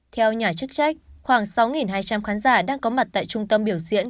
theo nhà chức trách khoảng sáu hai trăm linh khán giả đang có mặt tại trung tâm biểu diễn